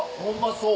そう。